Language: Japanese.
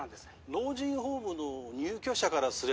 老人ホームの入居者からすれ